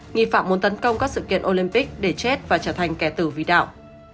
nghi phạm muốn tấn công các sự kiện olympic để chết và trở thành kẻ tử vi đạo